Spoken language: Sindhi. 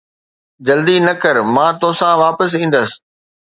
جلدي نه ڪر، مان توسان واپس ايندس